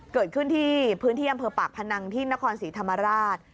เกิดขึ้นที่พื้นที่อำเภอปากพนังที่นครศรีธรรมราช